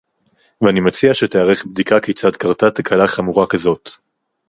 ואני מציע שתיערך בדיקה כיצד קרתה תקלה חמורה כזאת